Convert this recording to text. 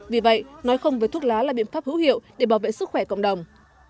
vì vậy nói không với thuốc lá là biện pháp hữu hiệu để bảo vệ sức khỏe cộng đồng